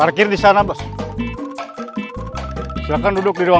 jangan lupa like share dan subscribe